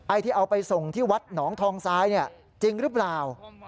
ไอ้ที่เอาไปส่งที่วัดหนองทองทรายจริงหรือเปล่า